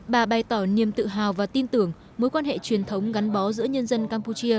bà bày tỏ niềm tự hào và tin tưởng mối quan hệ truyền thống gắn bó giữa nhân dân campuchia